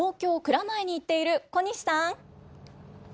東京・蔵前に行っている小西さん。